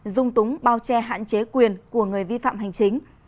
dung túng bao che hạn chế quyền của người vi phạm hành chính